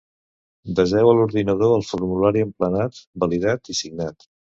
Deseu a l'ordinador el formulari emplenat, validat i signat.